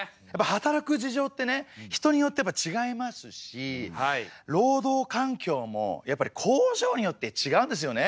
働く事情ってね人によってやっぱちがいますし労働環境もやっぱり工場によってちがうんですよね！